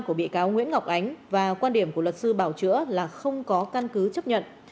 của bị cáo nguyễn ngọc ánh và quan điểm của luật sư bảo chữa là không có căn cứ chấp nhận